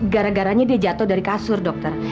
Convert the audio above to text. gara garanya dia jatuh dari kasur dokter